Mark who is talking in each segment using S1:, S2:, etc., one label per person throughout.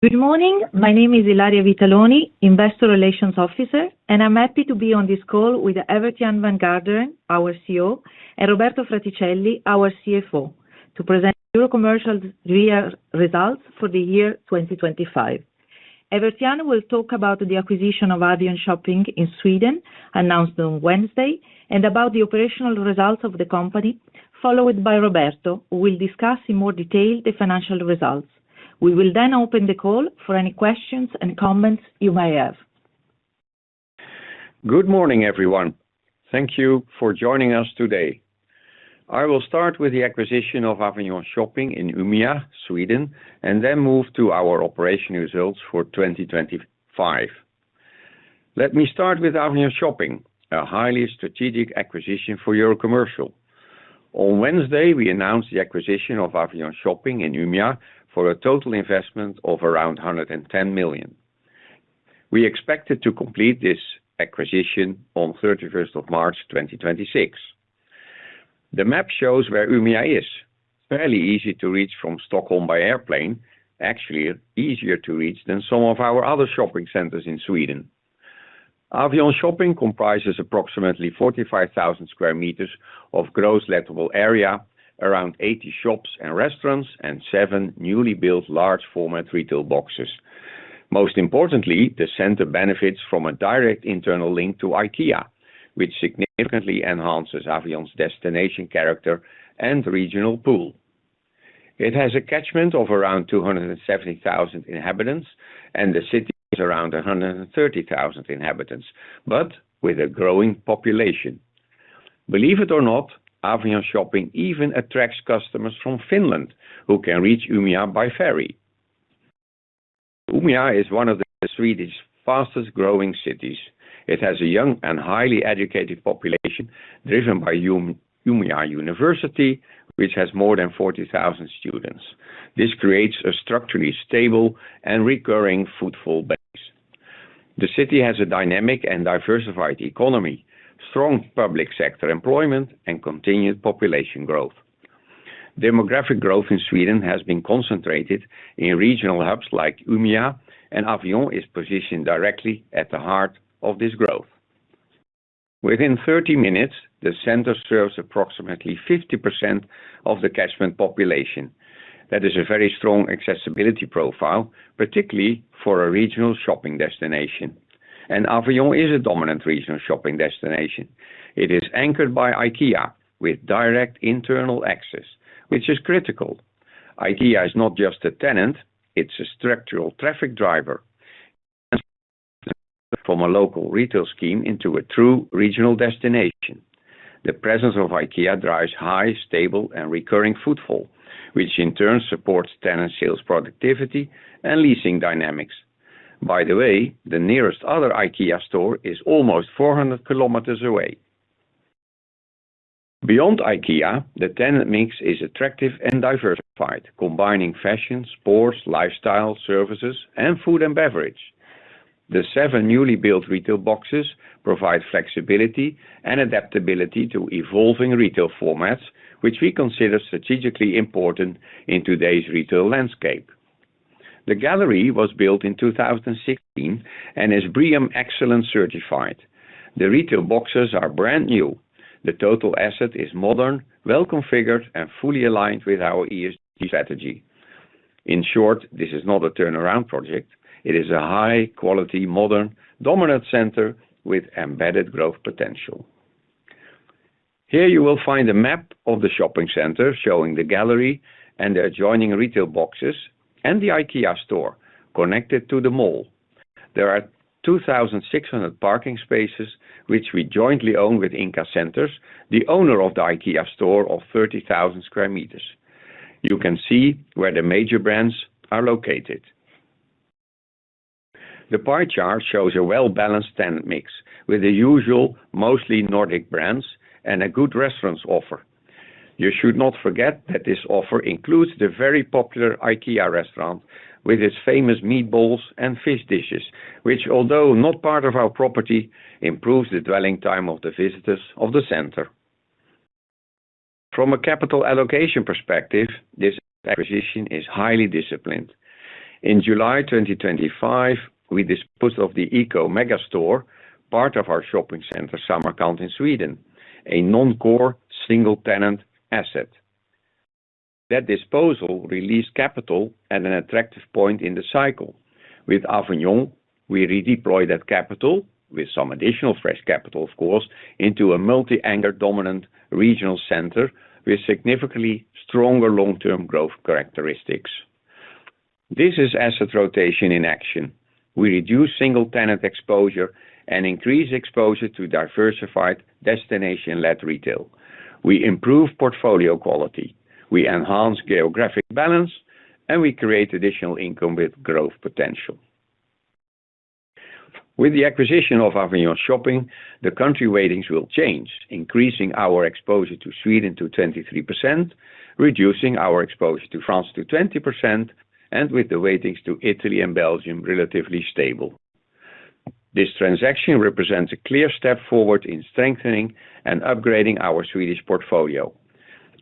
S1: Good morning. My name is Ilaria Vitaloni, Investor Relations Officer, and I'm happy to be on this call with Evert Jan van Garderen, our CEO, and Roberto Fraticelli, our CFO, to present Eurocommercial's Real Results for the Year 2025. Evert Jan will talk about the acquisition of Avion Shopping in Sweden, announced on Wednesday, and about the operational results of the company, followed by Roberto, who will discuss in more detail the financial results. We will then open the call for any questions and comments you may have.
S2: Good morning, everyone. Thank you for joining us today. I will start with the acquisition of Avion Shopping in Umeå, Sweden, and then move to our operation results for 2025. Let me start with Avion Shopping, a highly strategic acquisition for Eurocommercial. On Wednesday, we announced the acquisition of Avion Shopping in Umeå for a total investment of around 110 million. We expected to complete this acquisition on 31st of March, 2026. The map shows where Umeå is. Fairly easy to reach from Stockholm by airplane, actually easier to reach than some of our other shopping centers in Sweden. Avion Shopping comprises approximately 45,000 sq m of gross lettable area, around 80 shops and restaurants, and seven newly built large format retail boxes. Most importantly, the center benefits from a direct internal link to IKEA, which significantly enhances Avion's destination character and regional pool. It has a catchment of around 270,000 inhabitants. The city is around 130,000 inhabitants, with a growing population. Believe it or not, Avion Shopping even attracts customers from Finland who can reach Umeå by ferry. Umeå is one of the Swedish fastest-growing cities. It has a young and highly educated population driven by Umeå University, which has more than 40,000 students. This creates a structurally stable and recurring footfall base. The city has a dynamic and diversified economy, strong public sector employment, and continued population growth. Demographic growth in Sweden has been concentrated in regional hubs like Umeå. Avion is positioned directly at the heart of this growth. Within 30 minutes, the center serves approximately 50% of the catchment population. That is a very strong accessibility profile, particularly for a regional shopping destination. Avion is a dominant regional shopping destination. It is anchored by IKEA with direct internal access, which is critical. IKEA is not just a tenant, it's a structural traffic driver from a local retail scheme into a true regional destination. The presence of IKEA drives high, stable, and recurring footfall, which in turn supports tenant sales productivity and leasing dynamics. By the way, the nearest other IKEA store is almost 400 km away. Beyond IKEA, the tenant mix is attractive and diversified, combining fashion, sports, lifestyle, services, and food and beverage. The seven newly built retail boxes provide flexibility and adaptability to evolving retail formats, which we consider strategically important in today's retail landscape. The gallery was built in 2016 and is BREEAM Excellent certified. The retail boxes are brand new. The total asset is modern, well-configured, and fully aligned with our ESG strategy. In short, this is not a turnaround project. It is a high-quality, modern, dominant center with embedded growth potential. Here you will find a map of the shopping center showing the gallery and the adjoining retail boxes and the IKEA store connected to the mall. There are 2,600 parking spaces, which we jointly own with Ingka Centers, the owner of the IKEA store of 30,000 sq m. You can see where the major brands are located. The pie chart shows a well-balanced tenant mix with the usual mostly Nordic brands and a good restaurants offer. You should not forget that this offer includes the very popular IKEA restaurant with its famous meatballs and fish dishes, which although not part of our property, improves the dwelling time of the visitors of the center. From a capital allocation perspective, this acquisition is highly disciplined. In July 2025, we disposed of the EKO megastore, part of our shopping center Grand Samarkand in Sweden, a non-core single-tenant asset. That disposal released capital at an attractive point in the cycle. With Avion, we redeploy that capital with some additional fresh capital, of course, into a multi-anchor dominant regional center with significantly stronger long-term growth characteristics. This is asset rotation in action. We reduce single-tenant exposure and increase exposure to diversified destination-led retail. We improve portfolio quality. We enhance geographic balance, we create additional income with growth potential. With the acquisition of Avion Shopping, the country ratings will change, increasing our exposure to Sweden to 23%, reducing our exposure to France to 20%, and with the ratings to Italy and Belgium relatively stable. This transaction represents a clear step forward in strengthening and upgrading our Swedish portfolio.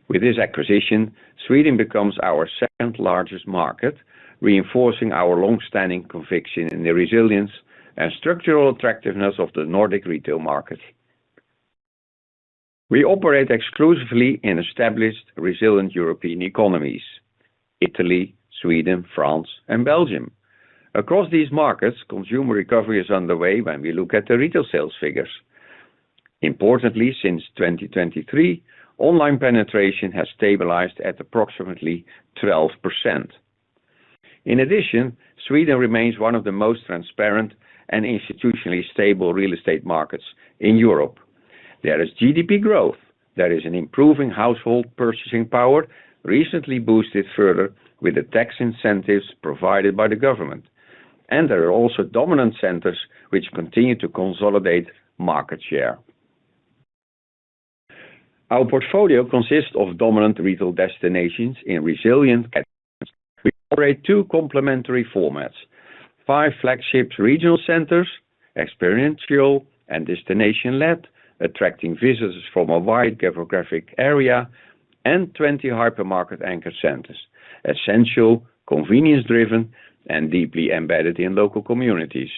S2: With this acquisition, Sweden becomes our second largest market, reinforcing our long-standing conviction in the resilience and structural attractiveness of the Nordic retail market. We operate exclusively in established resilient European economies, Italy, Sweden, France, and Belgium. Across these markets, consumer recovery is underway when we look at the retail sales figures. Importantly, since 2023, online penetration has stabilized at approximately 12%. In addition, Sweden remains one of the most transparent and institutionally stable real estate markets in Europe. There is GDP growth. There is an improving household purchasing power, recently boosted further with the tax incentives provided by the government. There are also dominant centers which continue to consolidate market share. Our portfolio consists of dominant retail destinations in resilient We operate two complementary formats. Five flagship regional centers, experiential and destination-led, attracting visitors from a wide geographic area, and 20 hypermarket anchor centers, essential, convenience-driven, and deeply embedded in local communities.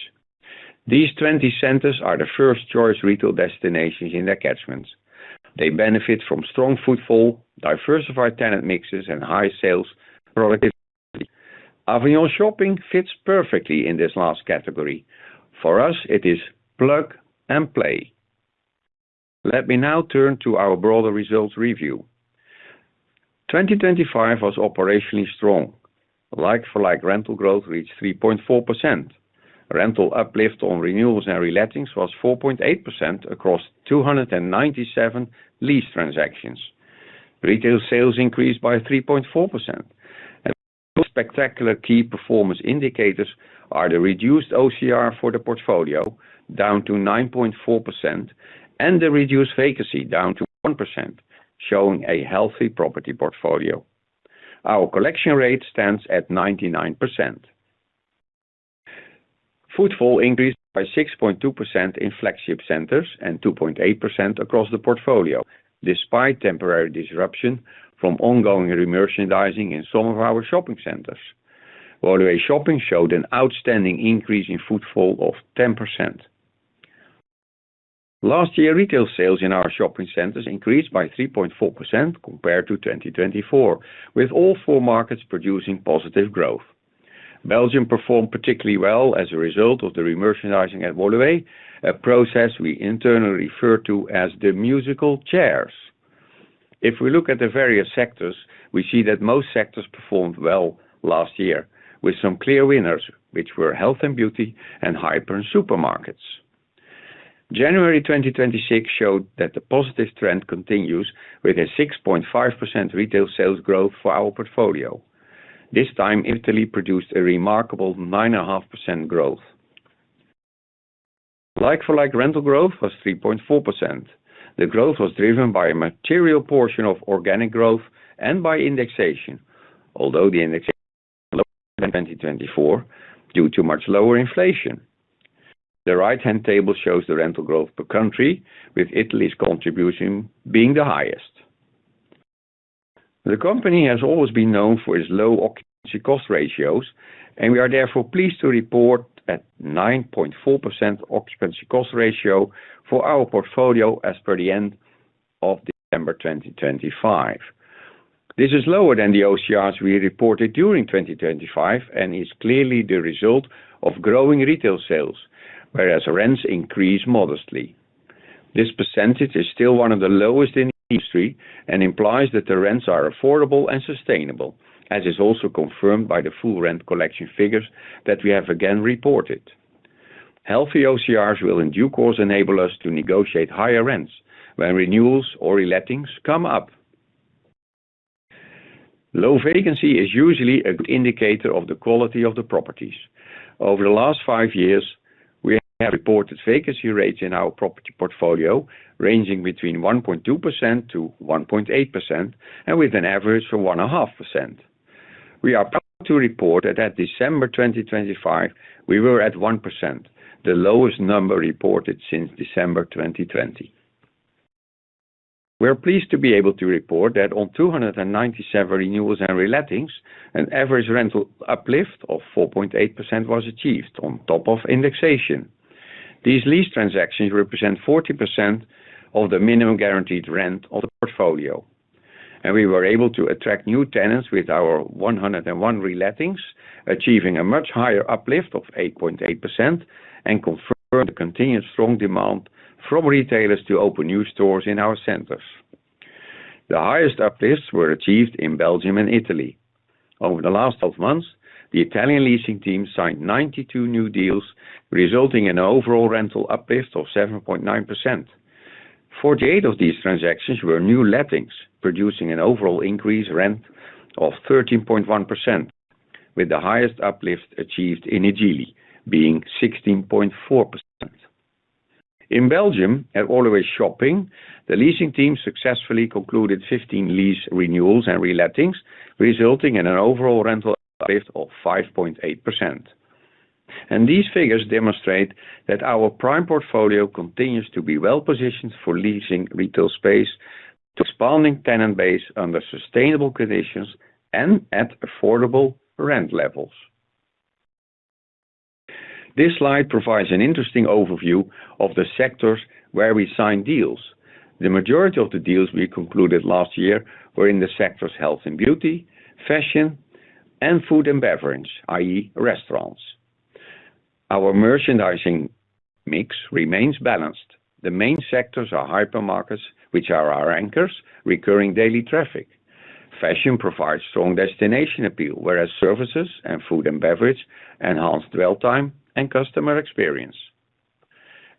S2: These 20 centers are the first-choice retail destinations in their catchments. They benefit from strong footfall, diversified tenant mixes, and high sales productivity. Avion Shopping fits perfectly in this last category. For us, it is plug and play. Let me now turn to our broader results review. 2025 was operationally strong. Like-for-like rental growth reached 3.4%. Rental uplift on renewals and relettings was 4.8% across 297 lease transactions. Retail sales increased by 3.4%. Spectacular key performance indicators are the reduced OCR for the portfolio down to 9.4% and the reduced vacancy down to 1%, showing a healthy property portfolio. Our collection rate stands at 99%. Footfall increased by 6.2% in flagship centers and 2.8% across the portfolio despite temporary disruption from ongoing re-merchandising in some of our shopping centers. Woluwe Shopping showed an outstanding increase in footfall of 10%. Last year, retail sales in our shopping centers increased by 3.4% compared to 2024, with all four markets producing positive growth. Belgium performed particularly well as a result of the re-merchandising at Woluwe, a process we internally refer to as the musical chairs. If we look at the various sectors, we see that most sectors performed well last year with some clear winners, which were health and beauty and hyper and supermarkets. January 2026 showed that the positive trend continues with a 6.5% retail sales growth for our portfolio. This time, Italy produced a remarkable 9.5% growth. Like-for-like rental growth was 3.4%. The growth was driven by a material portion of organic growth and by indexation. The indexation in 2024 due to much lower inflation. The right-hand table shows the rental growth per country, with Italy's contribution being the highest. The company has always been known for its low occupancy cost ratios, and we are therefore pleased to report at 9.4% occupancy cost ratio for our portfolio as per the end of December 2025. This is lower than the OCRs we reported during 2025 and is clearly the result of growing retail sales, whereas rents increase modestly. This percentage is still one of the lowest in the industry and implies that the rents are affordable and sustainable, as is also confirmed by the full rent collection figures that we have again reported. Healthy OCRs will in due course enable us to negotiate higher rents when renewals or relettings come up. Low vacancy is usually a good indicator of the quality of the properties. Over the last five years, we have reported vacancy rates in our property portfolio ranging between 1.2%-1.8% and with an average of 1.5%. We are proud to report that at December 2025, we were at 1%, the lowest number reported since December 2020. We are pleased to be able to report that on 297 renewals and relettings, an average rental uplift of 4.8% was achieved on top of indexation. These lease transactions represent 40% of the minimum guaranteed rent of the portfolio. We were able to attract new tenants with our 101 relettings, achieving a much higher uplift of 8.8% and confirm the continued strong demand from retailers to open new stores in our centers. The highest uplifts were achieved in Belgium and Italy. Over the last 12 months, the Italian leasing team signed 92 new deals, resulting in an overall rental uplift of 7.9%. 48 of these transactions were new lettings, producing an overall increased rent of 13.1%, with the highest uplift achieved in I Gigli being 16.4%. In Belgium, at Woluwe Shopping, the leasing team successfully concluded 15 lease renewals and relettings, resulting in an overall rental uplift of 5.8%. These figures demonstrate that our prime portfolio continues to be well-positioned for leasing retail space to expanding tenant base under sustainable conditions and at affordable rent levels. This slide provides an interesting overview of the sectors where we signed deals. The majority of the deals we concluded last year were in the sectors health and beauty, fashion, and food and beverage, i.e., restaurants. Our merchandising mix remains balanced. The main sectors are hypermarkets, which are our anchors, recurring daily traffic. Fashion provides strong destination appeal, whereas services and food and beverage enhance dwell time and customer experience.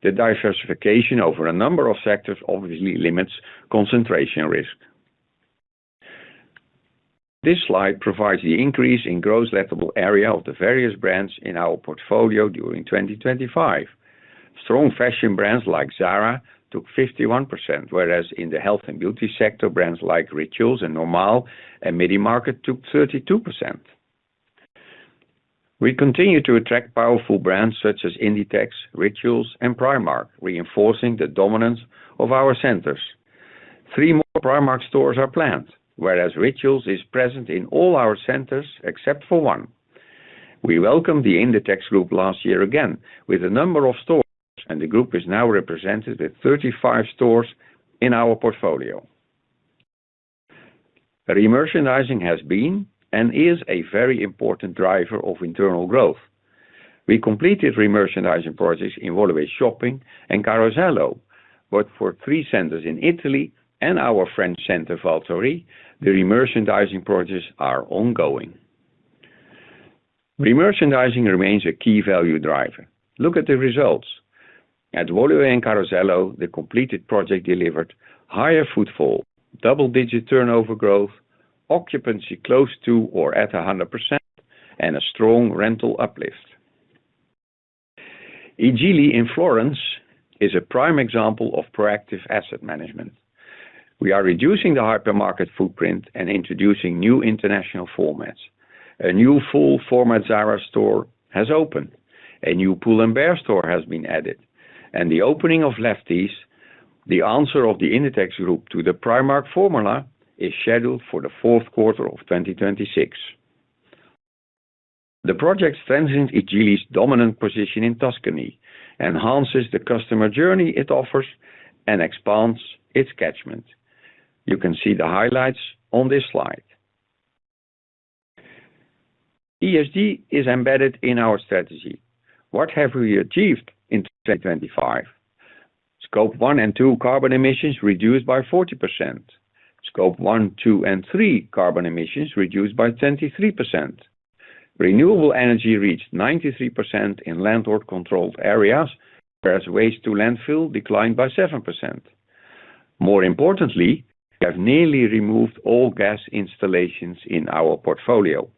S2: The diversification over a number of sectors obviously limits concentration risk. This slide provides the increase in gross lettable area of the various brands in our portfolio during 2025. Strong fashion brands like Zara took 51%, whereas in the health and beauty sector, brands like Rituals and Normal and Medi-Market took 32%. We continue to attract powerful brands such as Inditex, Rituals and Primark, reinforcing the dominance of our centers. Three more Primark stores are planned, whereas Rituals is present in all our centers except for one. We welcomed the Inditex Group last year again with a number of stores, and the group is now represented with 35 stores in our portfolio. Re-merchandising has been and is a very important driver of internal growth. We completed re-merchandising projects in Woluwe Shopping and Carosello. For three centers in Italy and our French center, Val Thoiry, the re-merchandising projects are ongoing. Re-merchandising remains a key value driver. Look at the results. At Woluwe and Carosello, the completed project delivered higher footfall, double-digit turnover growth, occupancy close to or at 100%, and a strong rental uplift. I Gigli in Florence is a prime example of proactive asset management. We are reducing the hypermarket footprint and introducing new international formats. A new full format Zara store has opened, a new Pull&Bear store has been added, and the opening of Lefties, the answer of the Inditex Group to the Primark formula, is scheduled for the fourth quarter of 2026. The project strengthens I Gigli's dominant position in Tuscany, enhances the customer journey it offers, and expands its catchment. You can see the highlights on this slide. ESG is embedded in our strategy. What have we achieved in 2025? Scope 1 and 2 carbon emissions reduced by 40%. Scope 1, 2 and 3 carbon emissions reduced by 23%. Renewable energy reached 93% in landlord-controlled areas, whereas waste to landfill declined by 7%. More importantly, we have nearly removed all gas installations in our portfolio.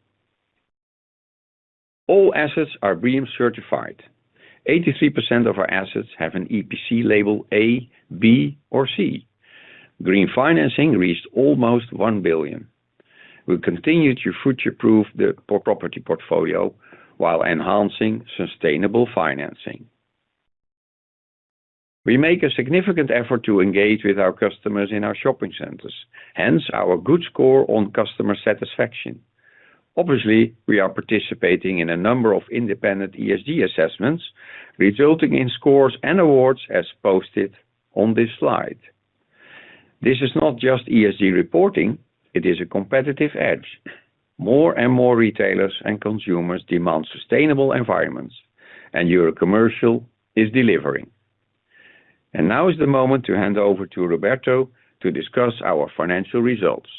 S2: All assets are BREEAM certified. 83% of our assets have an EPC label A, B, or C. Green financing reached almost 1 billion. We continue to future-proof the property portfolio while enhancing sustainable financing. We make a significant effort to engage with our customers in our shopping centers, hence our good score on customer satisfaction. Obviously, we are participating in a number of independent ESG assessments, resulting in scores and awards as posted on this slide. This is not just ESG reporting, it is a competitive edge. More and more retailers and consumers demand sustainable environments, Eurocommercial is delivering. Now is the moment to hand over to Roberto to discuss our financial results.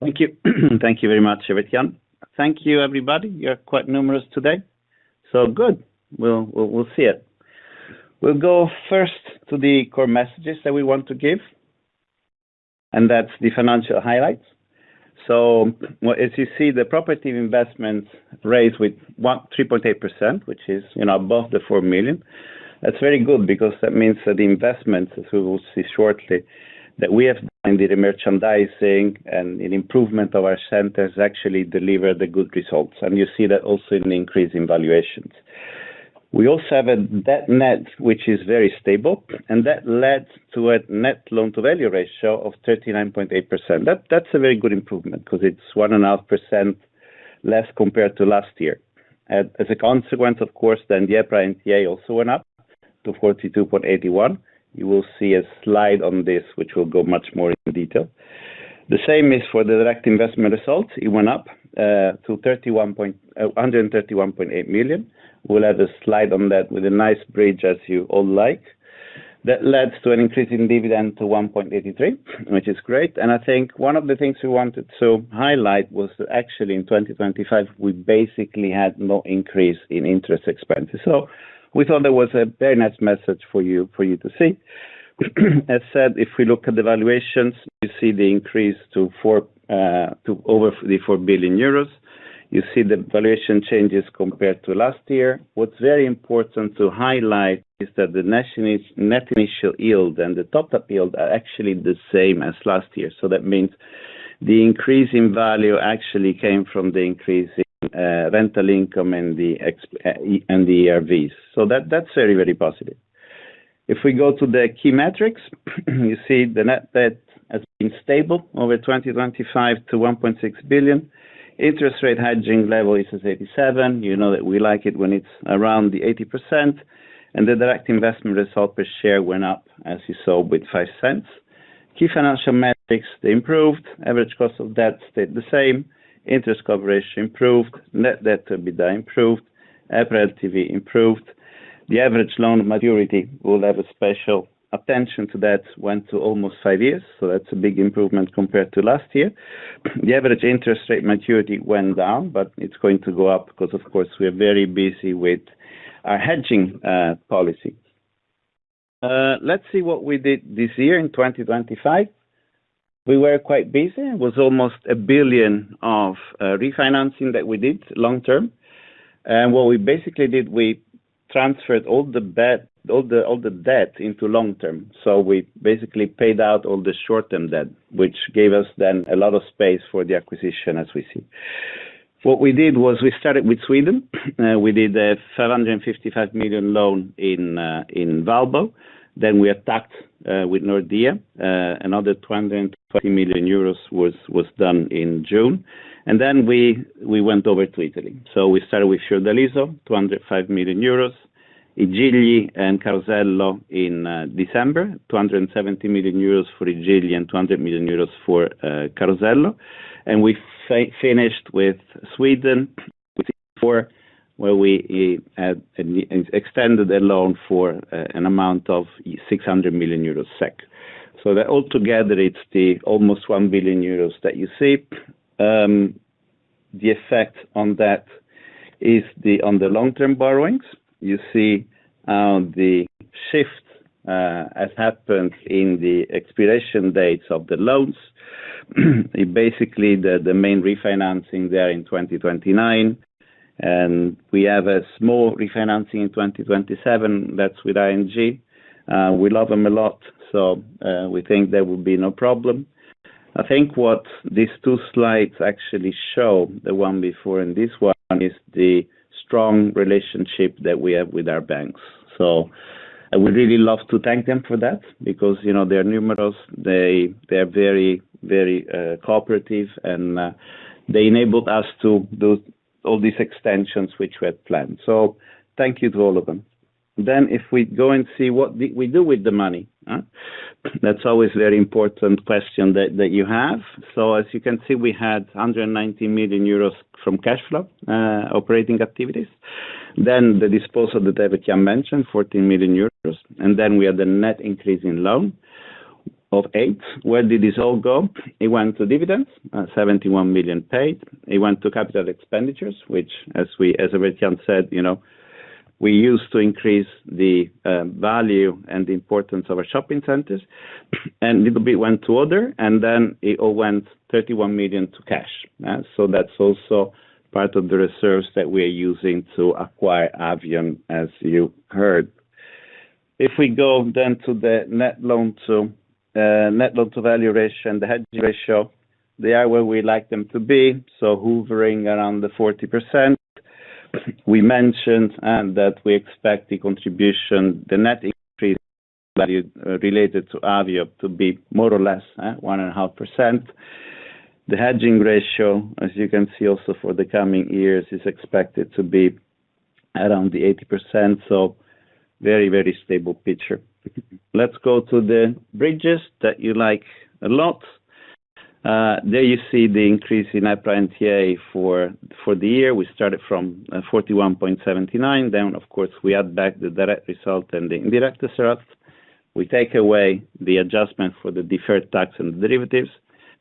S3: Thank you. Thank you very much, Evert Jan. Thank you, everybody. You're quite numerous today. Good. We'll see it. We'll go first to the core messages that we want to give, and that's the financial highlights. As you see, the property investments raised with 3.8%, which is, you know, above the 4 million. That's very good because that means that the investment, as we will see shortly, that we have done in the merchandising and in improvement of our centers actually delivered the good results. You see that also in increase in valuations. We also have a debt net which is very stable, and that led to a net loan to value ratio of 39.8%. That's a very good improvement because it's 1.5% less compared to last year. A consequence, of course, then the EPRA NTA also went up to 42.81. You will see a slide on this which will go much more into detail. The same is for the direct investment results. It went up to 131.8 million. We'll have a slide on that with a nice bridge as you all like. Led to an increase in dividend to 1.83, which is great. I think one of the things we wanted to highlight was that actually in 2025, we basically had no increase in interest expenses. We thought that was a very nice message for you to see. As said, if we look at the valuations, you see the increase to over the 4 billion euros. You see the valuation changes compared to last year. What's very important to highlight is that the net initial yield and the top-up yield are actually the same as last year. That means the increase in value actually came from the increase in rental income and the RVs. That's very positive. If we go to the key metrics, you see the net debt has been stable over 2025 to 1.6 billion. Interest rate hedging level is at 87%. You know that we like it when it's around the 80%, the direct investment result per share went up, as you saw, with 0.05. Key financial metrics, they improved. Average cost of debt stayed the same. Interest coverage improved. Net debt to EBITDA improved. EPRA LTV improved. The average loan maturity, we'll have a special attention to that, went to almost five years. That's a big improvement compared to last year. The average interest rate maturity went down, it's going to go up because, of course, we are very busy with our hedging policy. Let's see what we did this year in 2025. We were quite busy. It was almost 1 billion of refinancing that we did long term. What we basically did, we transferred all the debt into long term. We basically paid out all the short-term debt, which gave us then a lot of space for the acquisition, as we see. What we did was we started with Sweden. We did a 755 million loan in Valbo. We attacked with Nordea. Another 220 million euros was done in June. We went over to Italy. We started with Il Giardinetto, 205 million euros. I Gigli and Carosello in December, 270 million euros for I Gigli and 200 million euros for Carosello. We finished with Sweden where we extended the loan for an amount of SEK 600 million. Altogether, it's the almost 1 billion euros that you see. The effect on that is on the long-term borrowings. You see, the shift has happened in the expiration dates of the loans. Basically, the main refinancing there in 2029. We have a small refinancing in 2027. That's with ING. We love them a lot, so we think there will be no problem. I think what these two slides actually show, the one before and this one, is the strong relationship that we have with our banks. I would really love to thank them for that because, you know, they are numerous. They are very, very cooperative, and they enabled us to do all these extensions which we had planned. Thank you to all of them. If we go and see what we do with the money, huh? That's always a very important question that you have. As you can see, we had 190 million euros from cash flow operating activities. The disposal that Evert Jan mentioned, 14 million euros. We had the net increase in loan of 8 million. Where did this all go? It went to dividends, 71 million paid. It went to capital expenditures, which as Evert Jan said, you know, we used to increase the value and the importance of our shopping centers. Little bit went to other. Then it all went 31 million to cash. That's also part of the reserves that we are using to acquire Avion, as you heard. If we go then to the net loan to value ratio and the hedging ratio, they are where we like them to be, hovering around the 40%. We mentioned that we expect the contribution, the net increase value related to Avion to be more or less 1.5%. The hedging ratio, as you can see also for the coming years, is expected to be around the 80%. Very, very stable picture. Let's go to the bridges that you like a lot. There you see the increase in EPRA NCA for the year. We started from 41.79. Of course, we add back the direct result and the indirect results. We take away the adjustment for the deferred tax and derivatives.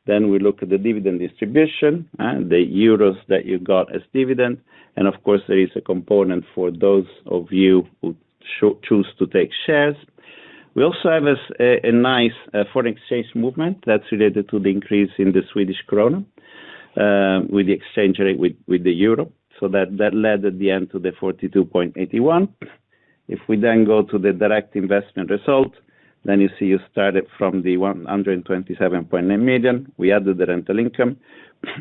S3: We look at the dividend distribution and the euros that you got as dividend. Of course, there is a component for those of you who choose to take shares. We also have a nice foreign exchange movement that's related to the increase in the Swedish krona, with the exchange rate with the euro. That led at the end to 42.81. If we then go to the direct investment result, you see you started from 127.9 million. We added the rental income.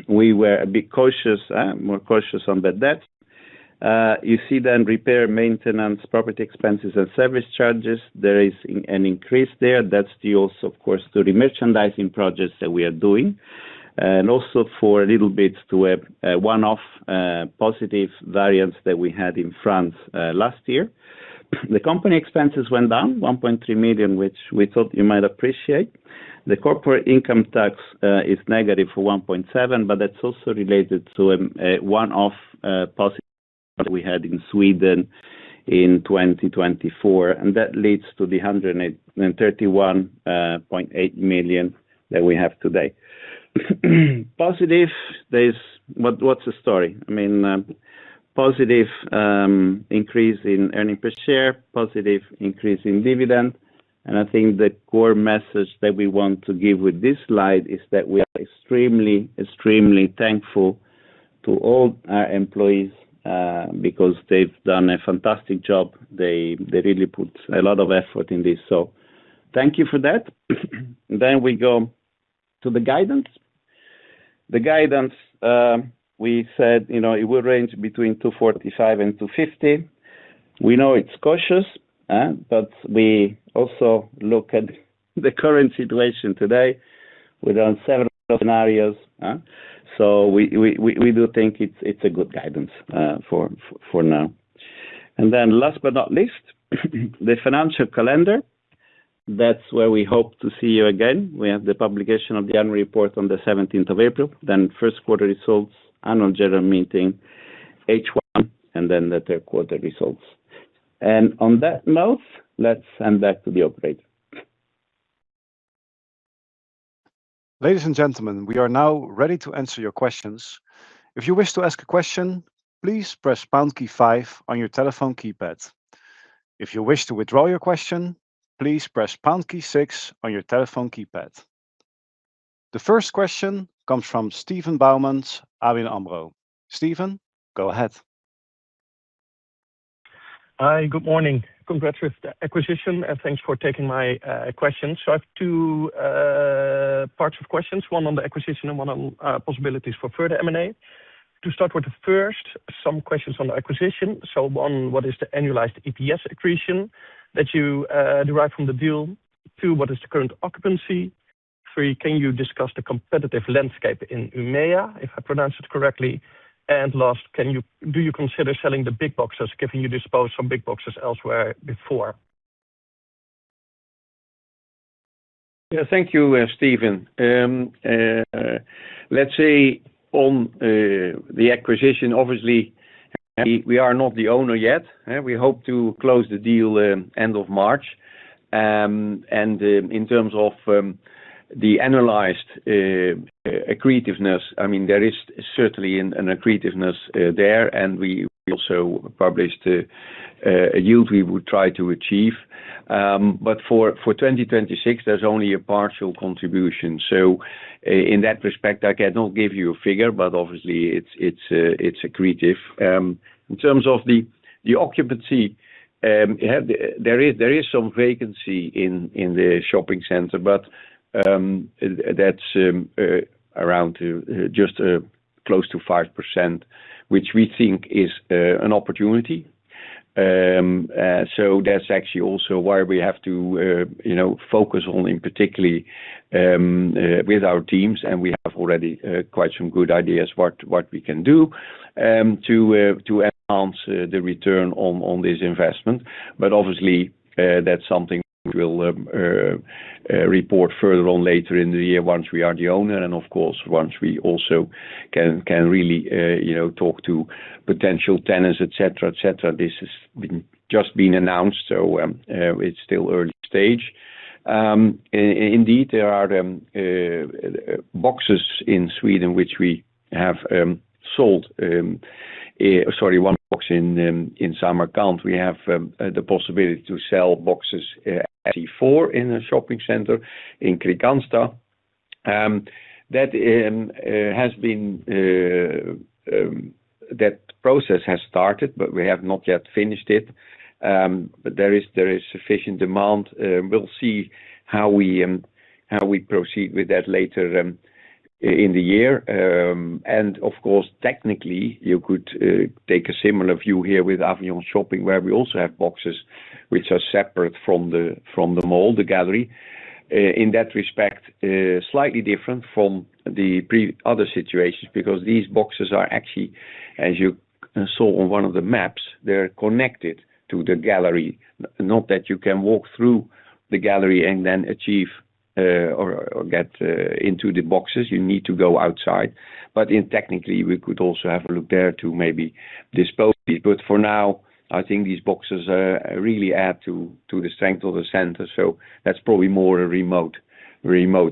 S3: We were a bit cautious, more cautious on the debt. You see repair, maintenance, property expenses, and service charges. There is an increase there. That's due also, of course, to the re-merchandising projects that we are doing, and also for a little bit to a one-off positive variance that we had in France last year. The company expenses went down 1.3 million, which we thought you might appreciate. The corporate income tax is negative for 1.7, that's also related to a one-off positive that we had in Sweden in 2024, that leads to the 131.8 million that we have today. Positive. What's the story? I mean, Positive increase in earnings per share, positive increase in dividend. I think the core message that we want to give with this slide is that we are extremely thankful to all our employees because they've done a fantastic job. They really put a lot of effort in this. Thank you for that. We go to the guidance. The guidance, we said, you know, it will range between 2.45 and 2.50. We know it's cautious, we also look at the current situation today with on several scenarios. We do think it's a good guidance for now. Last but not least, the financial calendar. That's where we hope to see you again. We have the publication of the annual report on the 17th of April, then first quarter results, Annual General Meeting, H1, and then the third quarter results. On that note, let's hand back to the operator.
S4: Ladies and gentlemen, we are now ready to answer your questions. If you wish to ask a question, please press pound key five on your telephone keypad. If you wish to withdraw your question, please press pound key six on your telephone keypad. The first question comes from Steven Boumans, ABN AMRO. Steven, go ahead.
S5: Hi, good morning. Congrats with the acquisition, and thanks for taking my question. I have two parts of questions, one on the acquisition and one on possibilities for further M&A. To start with the first, some questions on the acquisition. One, what is the annualized EPS accretion that you derive from the deal? Two, what is the current occupancy? Three, can you discuss the competitive landscape in Umeå, if I pronounce it correctly? Last, do you consider selling the big boxes, given you disposed some big boxes elsewhere before?
S2: Thank you, Steven. Let's say on the acquisition, obviously we are not the owner yet. We hope to close the deal end of March. In terms of the analyzed accretiveness, I mean, there is certainly an accretiveness there. We also published a yield we would try to achieve. For 2026, there's only a partial contribution. In that respect, I cannot give you a figure, but obviously it's accretive. In terms of the occupancy, there is some vacancy in the shopping center, but that's around to just close to 5%, which we think is an opportunity. So that's actually also why we have to, you know, focus on, in particularly, with our teams, and we have already quite some good ideas what we can do to enhance the return on this investment. Obviously, that's something we will report further on later in the year once we are the owner, and of course, once we also can really, you know, talk to potential tenants, et cetera, et cetera. This just been announced, so it's still early stage. Indeed, there are boxes in Sweden which we have sold, sorry, one box in Samarkand. We have the possibility to sell boxes, actually four in a shopping center in Kristianstad. That process has started, but we have not yet finished it. There is sufficient demand. We'll see how we proceed with that later in the year. Of course, technically, you could take a similar view here with Avion Shopping Centre, where we also have boxes which are separate from the mall, the gallery. In that respect, slightly different from other situations, because these boxes are actually, as you saw on one of the maps, they're connected to the gallery. Not that you can walk through the gallery and then achieve or get into the boxes. You need to go outside. In technically, we could also have a look there to maybe dispose these. For now, I think these boxes, really add to the strength of the center. That's probably more a remote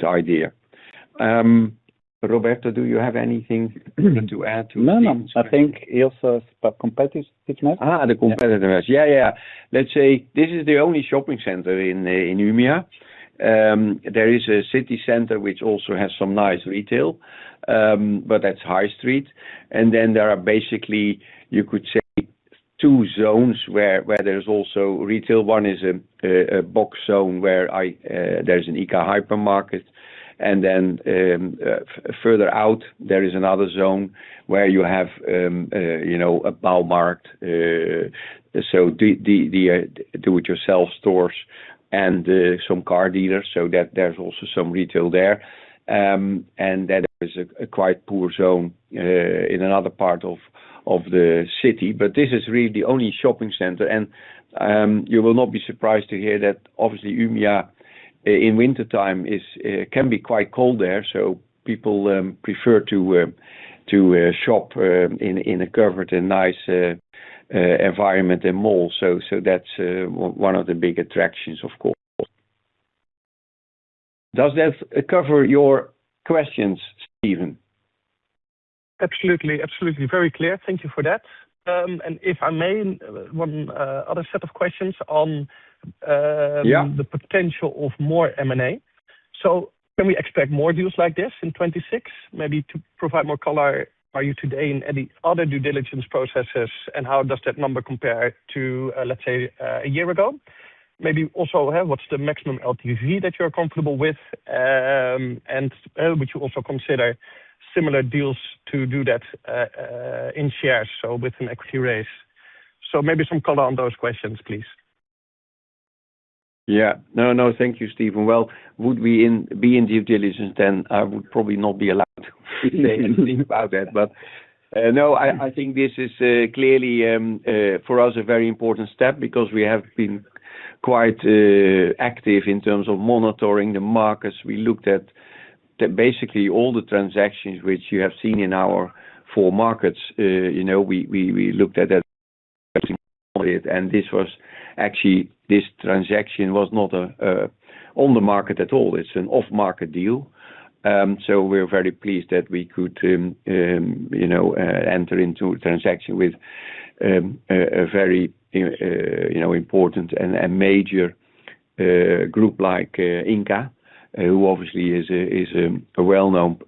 S2: idea. Roberto, do you have anything to add to this?
S3: No, no. I think he also spoke competitiveness.
S2: The competitiveness. Yeah, yeah. Let's say this is the only shopping center in Umeå. There is a city center which also has some nice retail, but that's high street. There are basically, you know, you could say two zones where there's also retail. One is a box zone where there's an ICA hypermarket. Further out, there is another zone where you have, you know, a OBI. The do it yourself stores and some car dealers. That there's also some retail there. There is a quite poor zone in another part of the city. This is really the only shopping center. You will not be surprised to hear that obviously Umeå in wintertime is, it can be quite cold there, so people prefer to shop in a covered and nice environment and mall. That's one of the big attractions, of course. Does that cover your questions, Steven?
S5: Absolutely. Very clear. Thank you for that. If I may, one other set of questions on potential for more M&A.
S2: Yeah
S5: Can we expect more deals like this in 2026? Maybe to provide more color, are you today in any other due diligence processes, and how does that number compare to, let's say, a year ago? Maybe also, what's the maximum LTV that you're comfortable with, and would you also consider similar deals to do that, in shares, so with an equity raise? Maybe some color on those questions, please.
S2: Yeah. No, no. Thank you, Steven. Well, would we be in due diligence then? I would probably not be allowed to say anything about that. No, I think this is clearly for us, a very important step because we have been quite active in terms of monitoring the markets. We looked at basically all the transactions which you have seen in our four markets. You know, we looked at that, and this was actually this transaction was not on the market at all. It's an off-market deal. We're very pleased that we could, you know, enter into a transaction with a very, you know, important and major group like Ingka, who obviously is a well-known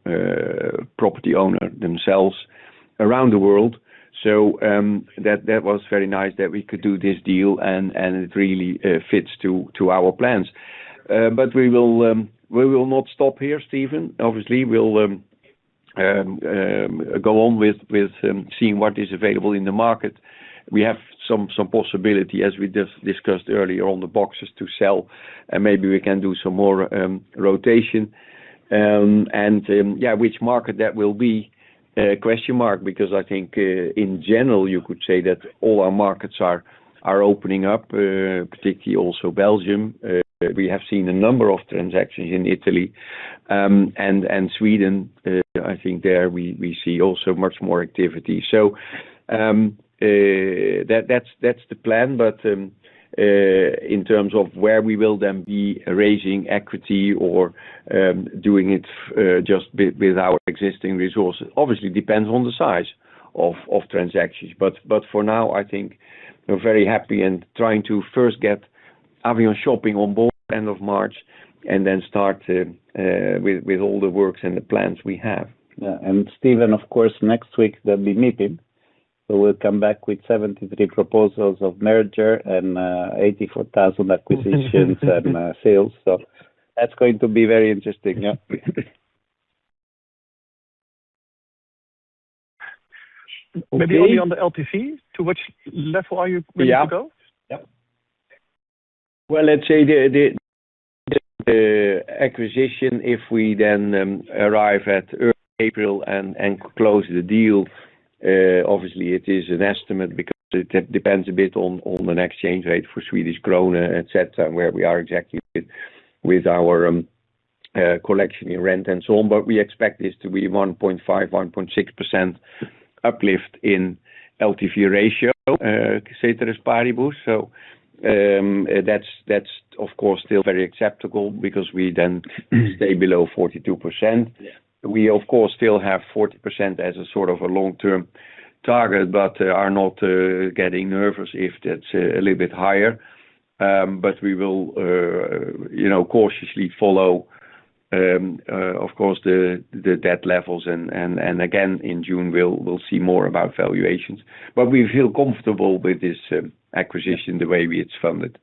S2: property owner themselves around the world. That was very nice that we could do this deal and it really fits to our plans. We will not stop here, Steven. Obviously, we'll go on with seeing what is available in the market. We have some possibility, as we just discussed earlier, on the boxes to sell, and maybe we can do some more rotation. Yeah, which market that will be, a question mark, because I think in general, you could say that all our markets are opening up, particularly also Belgium. We have seen a number of transactions in Italy, and Sweden. I think there we see also much more activity. That’s the plan. In terms of where we will then be raising equity or, doing it, just with our existing resources, obviously depends on the size of transactions. For now, I think we're very happy and trying to first get Avion Shopping on board end of March and then start with all the works and the plans we have.
S3: Yeah. Steven, of course, next week there'll be meeting. We'll come back with 73 proposals of merger and 84,000 acquisitions and sales. That's going to be very interesting. Yeah.
S5: Maybe only on the LTV, to which level are you willing to go?
S2: Yeah. Well, let's say the, the acquisition, if we then, arrive at early April and close the deal, obviously it is an estimate because it depends a bit on an exchange rate for Swedish krona, et cetera, and where we are exactly with our collection in rent and so on. We expect this to be 1.5%-1.6% uplift in LTV ratio, ceteris paribus. That's of course, still very acceptable because we then stay below 42%. We of course, still have 40% as a sort of a long-term target, but are not, getting nervous if that's a little bit higher. We will, you know, cautiously follow, of course, the debt levels and, and again, in June, we'll see more about valuations. We feel comfortable with this acquisition the way it's funded.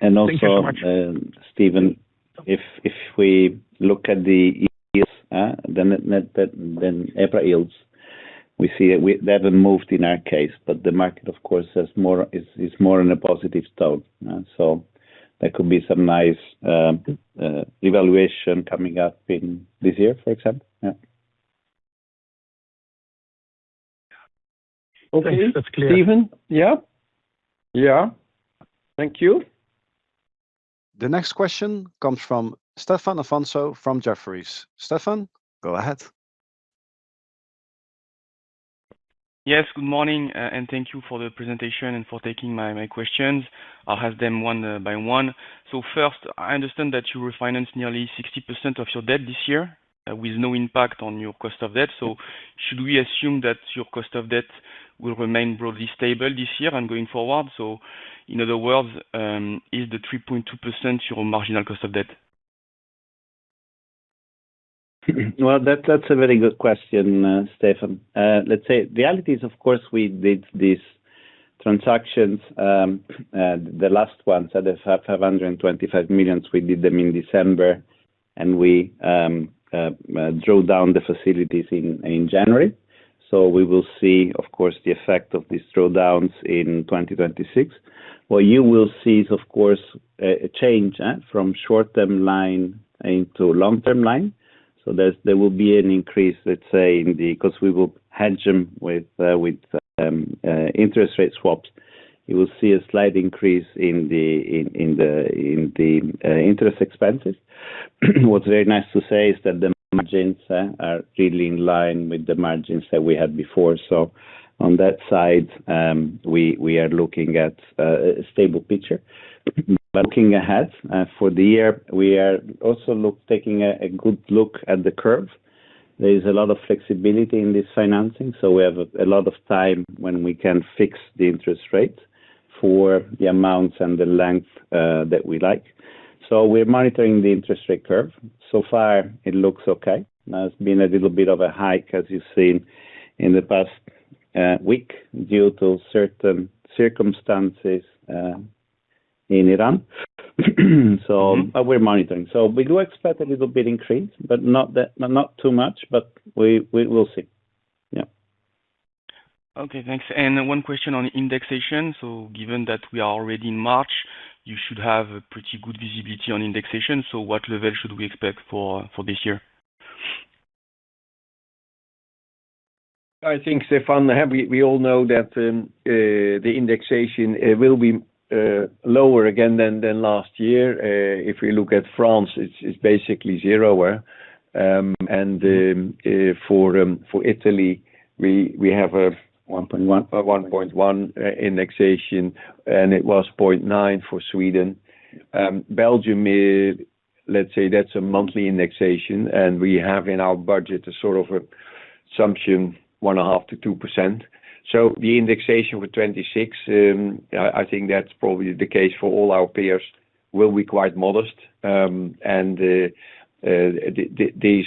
S3: And also.
S5: Thank you so much.
S3: Steven, if we look at the net, the EPRA yields, we see that they haven't moved in our case, but the market, of course, is more in a positive tone. There could be some nice evaluation coming up in this year, for example. Yeah.
S2: Okay.
S5: Thanks. That's clear.
S2: Steven, yeah?
S5: Yeah.
S2: Thank you.
S4: The next question comes from Stephane Afonso from Jefferies. Stephane, go ahead.
S6: Yes, good morning, thank you for the presentation and for taking my questions. First, I understand that you refinanced nearly 60% of your debt this year with no impact on your cost of debt. Should we assume that your cost of debt will remain broadly stable this year and going forward? In other words, is the 3.2% your marginal cost of debt?
S3: Well, that's a very good question, Stephane. Let's say the reality is, of course, we did these transactions, the last ones are the 525 million. We did them in December, and we drew down the facilities in January. We will see, of course, the effect of these drawdowns in 2026. What you will see is, of course, a change from short-term line into long-term line. There will be an increase, let's say, in the—'cause we will hedge them with interest rate swaps. You will see a slight increase in the interest expenses. What's very nice to say is that the margins are really in line with the margins that we had before. On that side, we are looking at a stable picture. Looking ahead for the year, we are also taking a good look at the curve. There is a lot of flexibility in this financing, so we have a lot of time when we can fix the interest rate for the amounts and the length that we like. We're monitoring the interest rate curve. So far, it looks okay. Now, it's been a little bit of a hike, as you've seen in the past week due to certain circumstances in Iran. We're monitoring. We do expect a little bit increase, but not that, not too much. We'll see. Yeah.
S6: Okay, thanks. One question on indexation. Given that we are already in March, you should have a pretty good visibility on indexation. What level should we expect for this year?
S2: I think, Stephane, we all know that the indexation, it will be lower again than last year. If we look at France, it's basically 0. For Italy, we have.
S3: 1.1.
S2: 1.1 indexation. It was 0.9 for Sweden. Belgium, let’s say that's a monthly indexation, and we have in our budget a sort of assumption 1.5%-2%. The indexation for 2026, I think that's probably the case for all our peers, will be quite modest. These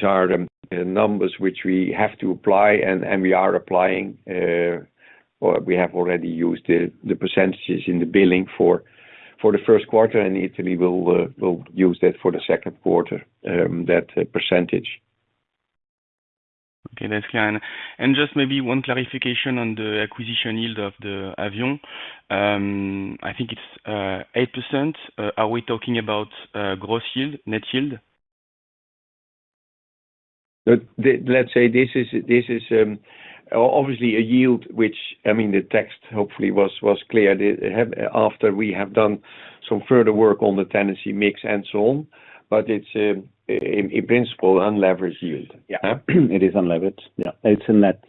S2: are the numbers which we have to apply and we are applying, or we have already used the percentages in the billing for the first quarter, and Italy will use that for the second quarter, that percentage.
S6: Okay, that's clear. Just maybe one clarification on the acquisition yield of the Avion. I think it's 8%. Are we talking about gross yield, net yield?
S2: Let's say this is obviously a yield which—I mean, the text hopefully was clear. After we have done some further work on the tenancy mix and so on, it's in principle, unlevered yield. Yeah.
S3: It is unlevered. Yeah.
S2: It's a net.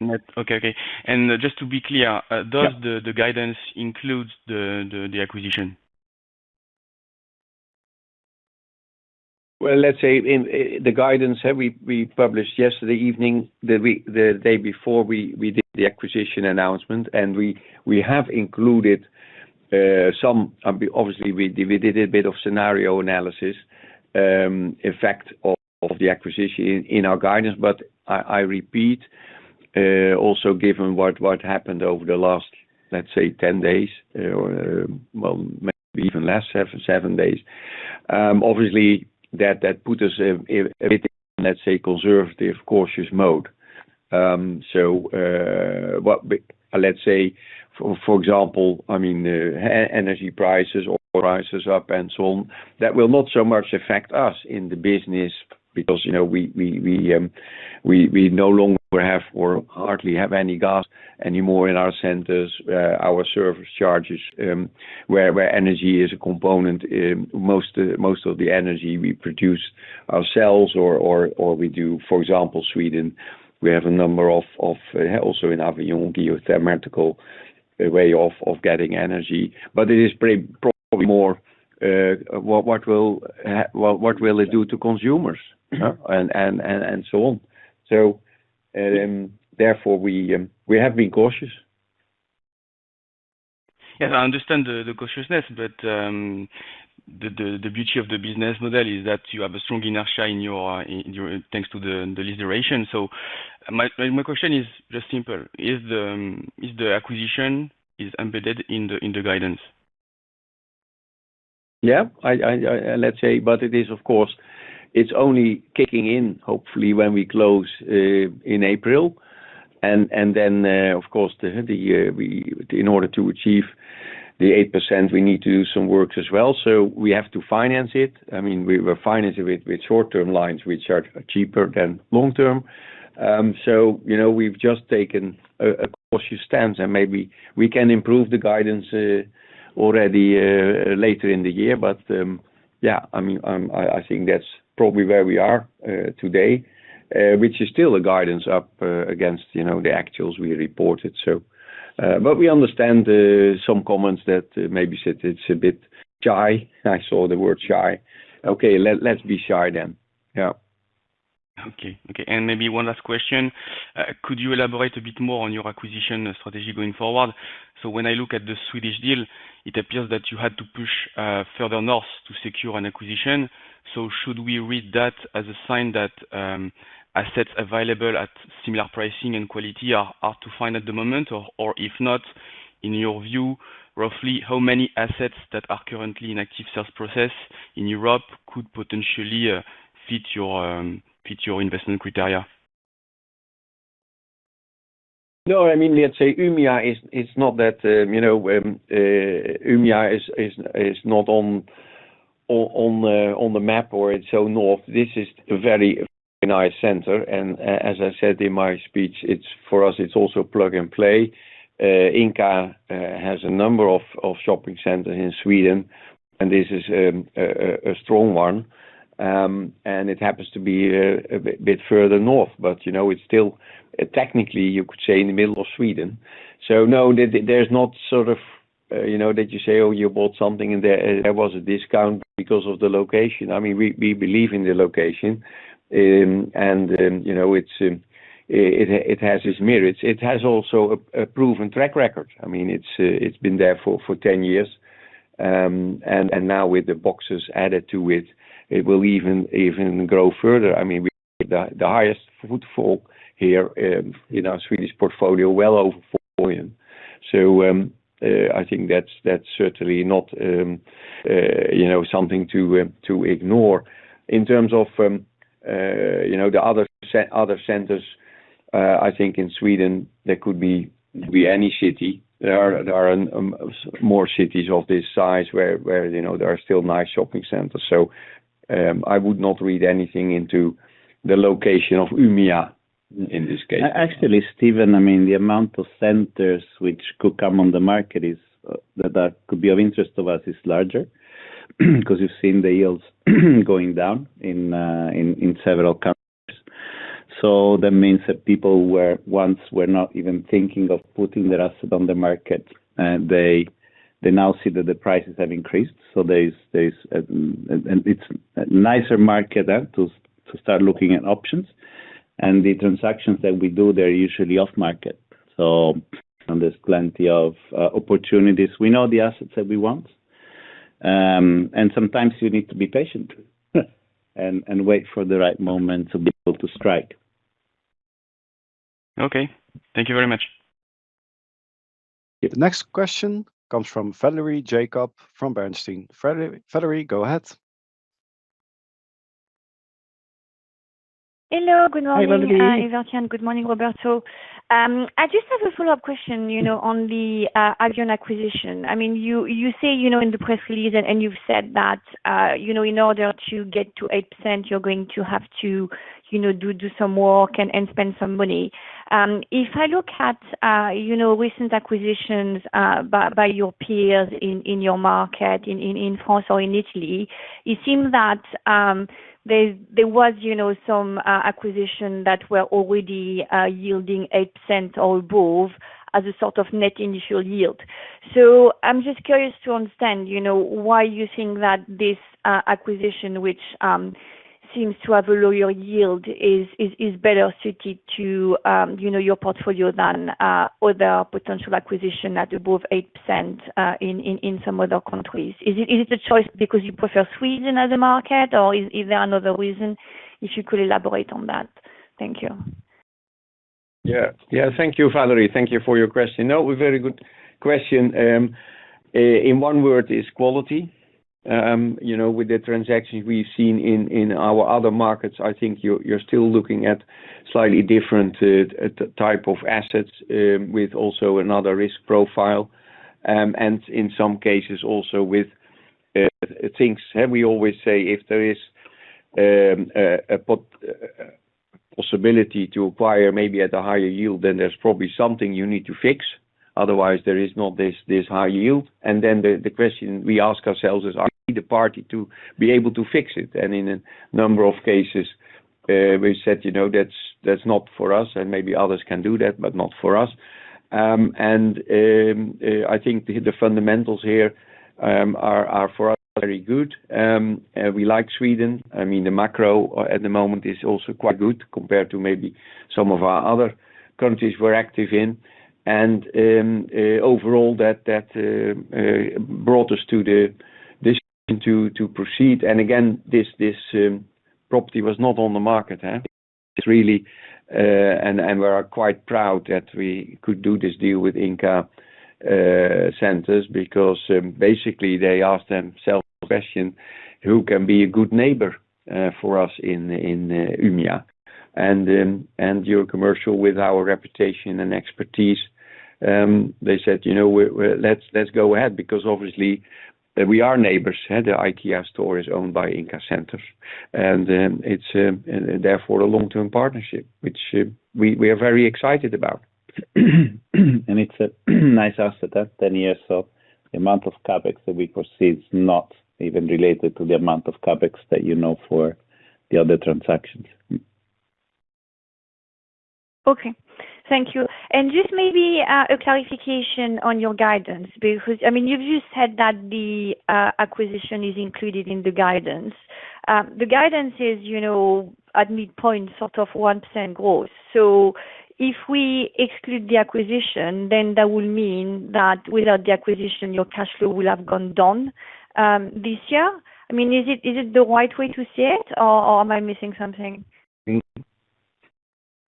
S6: Net. Okay. Okay. Just to be clear.
S2: Yeah.
S6: Does the guidance includes the acquisition?
S2: Well, let's say in the guidance that we published yesterday evening, the day before we did the acquisition announcement, we have included some. Obviously, we did a bit of scenario analysis, effect of the acquisition in our guidance. I repeat, also given what happened over the last, let's say, 10 days, well, maybe even less, seven days, obviously, that put us in a bit, let's say, conservative, cautious mode. What we, let's say, for example, I mean, energy prices all rises up and so on, that will not so much affect us in the business because, you know, we no longer have or hardly have any gas anymore in our centers. Our service charges, where energy is a component, most of the energy we produce ourselves or we do. For example, Sweden, we have a number of also in Avion, geothermal way of getting energy. It is probably more what will it do to consumers and so on. Therefore, we have been cautious.
S6: I understand the cautiousness, but the beauty of the business model is that you have a strong inertia in your—thanks to the lease duration. My question is just simple: Is the acquisition is embedded in the guidance?
S2: Yeah. I Let's say, but it is, of course, it's only kicking in, hopefully, when we close in April. Of course, in order to achieve the 8%, we need to do some works as well. We have to finance it. I mean, we finance it with short-term lines, which are cheaper than long-term. You know, we've just taken a cautious stance, and maybe we can improve the guidance already later in the year. Yeah, I mean, I think that's probably where we are today, which is still a guidance up against, you know, the actuals we reported, so. We understand some comments that maybe said it's a bit shy. I saw the word shy. Okay, let's be shy then. Yeah.
S6: Okay. Okay. Maybe one last question? Could you elaborate a bit more on your acquisition strategy going forward? When I look at the Swedish deal, it appears that you had to push further north to secure an acquisition. Should we read that as a sign that assets available at similar pricing and quality are to find at the moment? Or if not, in your view, roughly how many assets that are currently in active sales process in Europe could potentially fit your investment criteria?
S2: I mean, let's say Umeå is not that, you know, Umeå is not on the map or it's so north. This is a very organized center, as I said in my speech, it's, for us, it's also plug and play. Ingka has a number of shopping centers in Sweden, this is a strong one. It happens to be a bit further north, you know, it's still, technically, you could say, in the middle of Sweden. There's not sort of, you know, that you say, "Oh, you bought something and there was a discount because of the location." I mean, we believe in the location. You know, it has its merits. It has also a proven track record. I mean, it's been there for 10 years. Now with the boxes added to it will even grow further. I mean, we have the highest footfall here in our Swedish portfolio well over four million. I think that's certainly not, you know, something to ignore. In terms of, you know, the other centers, I think in Sweden, they could be any city. There are more cities of this size where, you know, there are still nice shopping centers. I would not read anything into the location of Umeå in this case.
S3: Actually, Stephane, I mean, the amount of centers which could come on the market is, that could be of interest to us is larger 'cause you've seen the yields going down in several countries. That means that people were once not even thinking of putting their asset on the market. They now see that the prices have increased, there's a nicer market to start looking at options. The transactions that we do, they're usually off market. There's plenty of opportunities. We know the assets that we want. Sometimes you need to be patient and wait for the right moment to be able to strike.
S6: Okay. Thank you very much.
S4: The next question comes from Valerie Jacob from Bernstein. Valerie, go ahead.
S7: Hello. Good morning.
S2: Hi, Valerie.
S7: Evert Jan, good morning, Roberto. I just have a follow-up question, you know, on the Avion acquisition. I mean, you say, you know, in the press release, and you've said that, you know, in order to get to 8%, you're going to have to, you know, do some work and spend some money. If I look at, you know, recent acquisitions, by your peers in your market, in France or in Italy, it seems that there was, you know, some acquisition that were already yielding 8% or above as a sort of net initial yield. I'm just curious to understand, you know, why you think that this acquisition, which seems to have a lower yield, is better suited to, you know, your portfolio than other potential acquisition at above 8%, in some other countries. Is it a choice because you prefer Sweden as a market, or is there another reason? If you could elaborate on that. Thank you.
S2: Yeah. Yeah. Thank you, Valerie. Thank you for your question. No, a very good question. In one word, it's quality. You know, with the transactions we've seen in our other markets, I think you're still looking at slightly different type of assets, with also another risk profile. In some cases also with things. We always say, if there is a possibility to acquire maybe at a higher yield, then there's probably something you need to fix. Otherwise, there is not this high yield. The question we ask ourselves is, are we the party to be able to fix it? In a number of cases, we said, you know, that's not for us, and maybe others can do that, but not for us. I think the fundamentals here are for us very good. We like Sweden. I mean, the macro at the moment is also quite good compared to maybe some of our other countries we're active in. Overall, that brought us to the decision to proceed. Again, this property was not on the market, it's really and we are quite proud that we could do this deal with Ingka Centres because basically they asked themselves a question, "Who can be a good neighbor for us in Umeå?" Eurocommercial with our reputation and expertise, they said, "You know, let's go ahead." Because obviously we are neighbors, and the IKEA store is owned by Ingka Centres. It's therefore a long-term partnership, which we are very excited about.
S3: It's a nice asset at 10 years. The amount of CapEx that we proceed is not even related to the amount of CapEx that you know for the other transactions.
S7: Okay. Thank you. Just maybe, a clarification on your guidance because, I mean, you've just said that the acquisition is included in the guidance. The guidance is, you know, at midpoint, sort of 1% growth. If we exclude the acquisition, then that will mean that without the acquisition, your cash flow will have gone down, this year. I mean, is it the right way to see it, or am I missing something?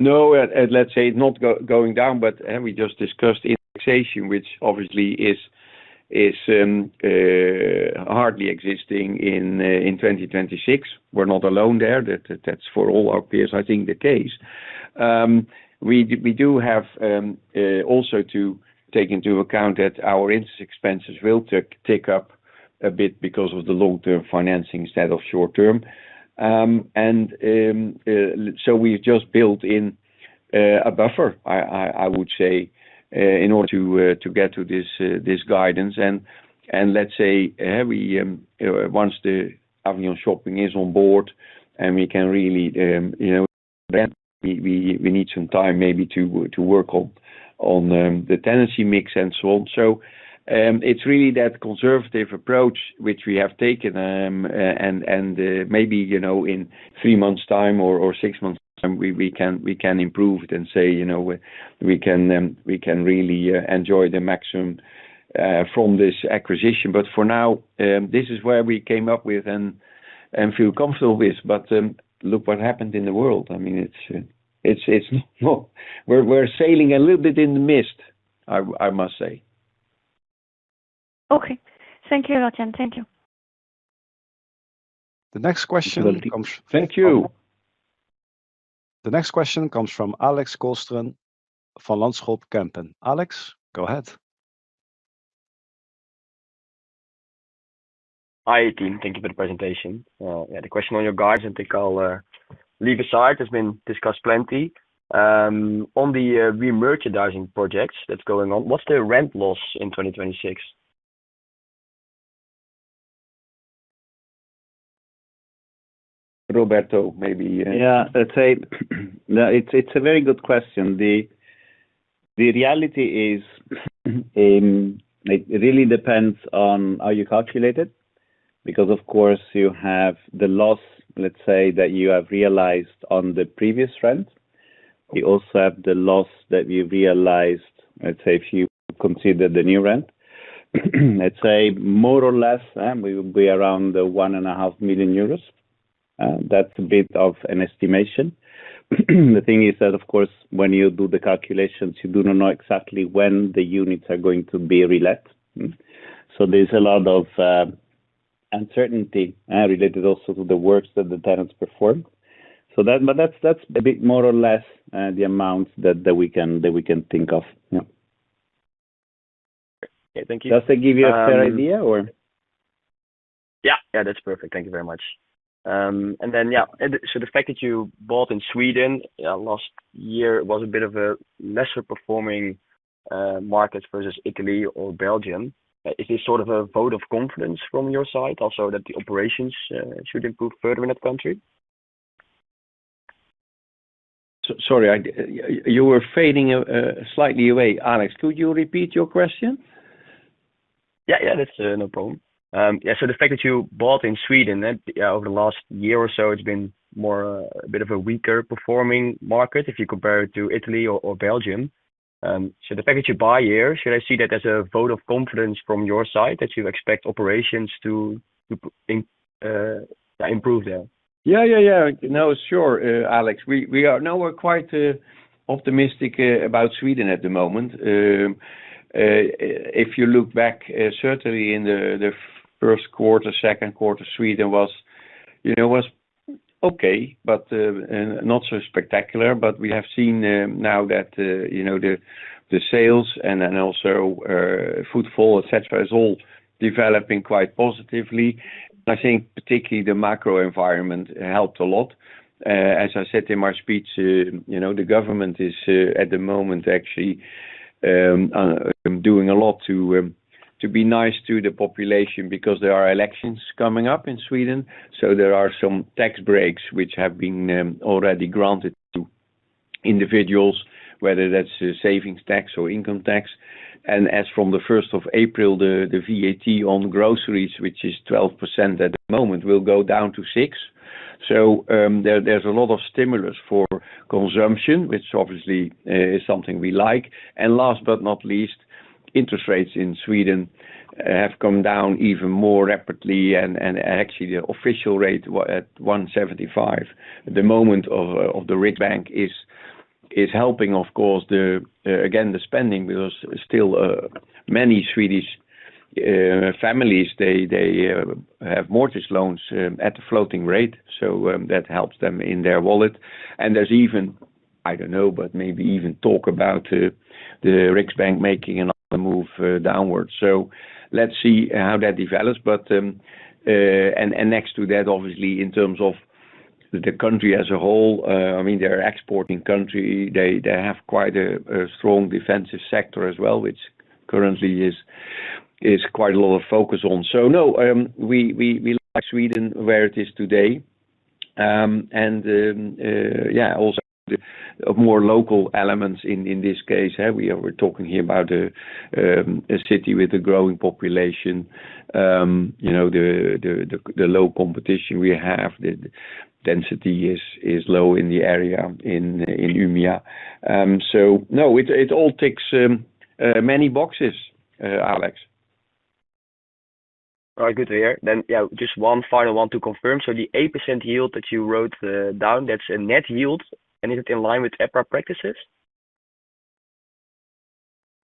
S2: No, let's say it's not going down, we just discussed indexation, which obviously is hardly existing in 2026. We're not alone there. That's for all our peers, I think the case. We do have also to take into account that our interest expenses will take up a bit because of the long term financing instead of short term. We've just built in a buffer, I would say, in order to get to this guidance and let's say, every, you know, once the Avion Shopping is on board and we can really, you know, we need some time maybe to work on the tenancy mix and so on. It's really that conservative approach which we have taken, and maybe, you know, in three months time or six months time, we can, we can improve it and say, you know, we can really enjoy the maximum from this acquisition. For now, this is where we came up with and feel comfortable with. Look what happened in the world. I mean, it's. Well, we're sailing a little bit in the mist, I must say.
S7: Okay. Thank you, Evert Jan. Thank you.
S4: The next question comes from.
S2: Thank you.
S4: The next question comes from Alex Kolsteren from Van Lanschot Kempen. Alex, go ahead.
S8: Hi, team. Thank you for the presentation. The question on your guidance, I think I'll leave aside has been discussed plenty. On the re-merchandising projects that's going on, what's the rent loss in 2026?
S2: Roberto, maybe.
S3: Let's say, it's a very good question. The reality is, it really depends on how you calculate it, because, of course, you have the loss, let's say, that you have realized on the previous rent. You also have the loss that you realized, let's say, if you consider the new rent. Let's say more or less, we will be around 1.5 million euros. That's a bit of an estimation. The thing is that, of course, when you do the calculations, you do not know exactly when the units are going to be relet. There's a lot of uncertainty related also to the works that the tenants perform. That's a bit more or less the amount that we can think of.
S8: Okay, thank you.
S3: Does that give you a fair idea or?
S8: Yeah. Yeah, that's perfect. Thank you very much. Yeah. The fact that you bought in Sweden last year was a bit of a lesser performing market versus Italy or Belgium. Is this sort of a vote of confidence from your side also that the operations should improve further in that country?
S2: Sorry, You were fading slightly away. Alex, could you repeat your question?
S8: Yeah, yeah. That's no problem. Yeah. The fact that you bought in Sweden then over the last year or so, it's been more a bit of a weaker performing market if you compare it to Italy or Belgium. The fact that you buy here, should I see that as a vote of confidence from your side that you expect operations to improve there?
S2: Yeah, yeah. No, sure, Alex. We're quite optimistic about Sweden at the moment. If you look back, certainly in the first quarter, second quarter, Sweden was, you know, was okay, but not so spectacular. We have seen now that, you know, the sales and then also footfall, et cetera, is all developing quite positively. I think particularly the macro environment helped a lot. As I said in my speech, you know, the government is at the moment actually doing a lot to be nice to the population because there are elections coming up in Sweden. There are some tax breaks which have been already granted to individuals, whether that's savings tax or income tax. As from the 1st of April, the VAT on groceries, which is 12% at the moment, will go down to 6%. There's a lot of stimulus for consumption, which obviously is something we like. Last but not least, interest rates in Sweden have come down even more rapidly. Actually, the official rate at 1.75% at the moment of the Riksbank is helping, of course, the spending, because still many Swedish families, they have mortgage loans at a floating rate. That helps them in their wallet. There's even, I don't know, but maybe even talk about the Riksbank making another move downwards. Let's see how that develops. Next to that, obviously, in terms of the country as a whole, they're exporting country. They have quite a strong defensive sector as well, which currently is quite a lot of focus on. No, we like Sweden where it is today. Also more local elements in this case. We're talking here about a city with a growing population. You know, the low competition we have. The density is low in the area in Umeå. No, it all ticks many boxes, Alex.
S8: All right. Good to hear. Yeah, just one final one to confirm. The 8% yield that you wrote down, that's a net yield, and is it in line with EPRA practices?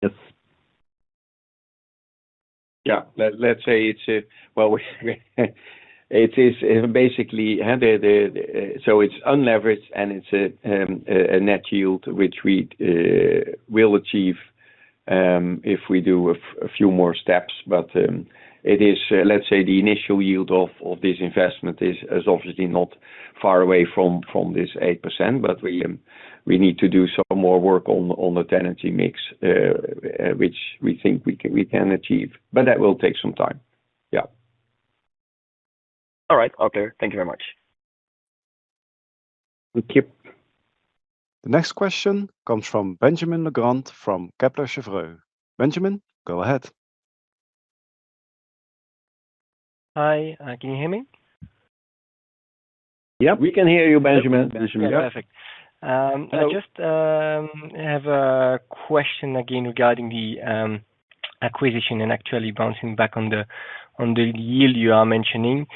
S2: Yes. Yeah. Let's say it's. Well, it is basically, and so it's unleveraged and it's a net yield which we will achieve if we do a few more steps. Let's say the initial yield of this investment is obviously not far away from this 8%. We need to do some more work on the tenancy mix, which we think we can achieve, but that will take some time. Yeah.
S8: All right. All clear. Thank you very much.
S2: Thank you.
S4: The next question comes from Benjamin Legrand from Kepler Cheuvreux. Benjamin, go ahead.
S9: Hi. Can you hear me?
S2: Yep, we can hear you, Benjamin.
S9: Perfect. I just have a question again regarding the acquisition and actually bouncing back on the yield you are mentioning.